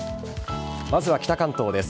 まず、北関東です。